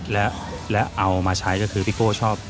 แล้วเอามาใช้ก็คือพี่โก้ชอบ